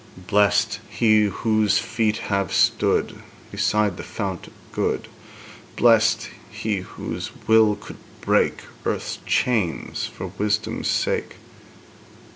Blest he whose feet have stood Beside the fount of good; Blest he whose will could break Earth's chains for wisdom's sake!